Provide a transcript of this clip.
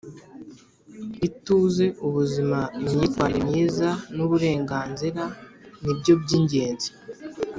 Ituze ubuzima imyitwarire myiza n’ uburenganzira nibyo by’igenzi